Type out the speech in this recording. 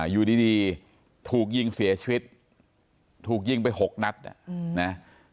อยู่ดีถูกยิงเสียชีวิตถูกยิงไป๖นัดนะ